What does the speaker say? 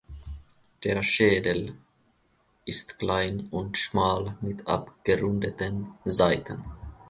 Der Schädel ist klein und schmal mit abgerundeten Seiten.